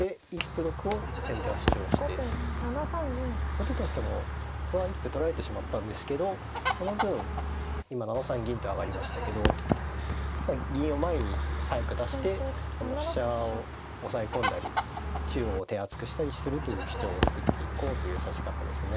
後手としても歩は一歩取られてしまったんですけどその分今７三銀と上がりましたけど銀を前に早く出してこの飛車を押さえ込んだり中央を手厚くしたりするという主張を作っていこうという指し方ですね。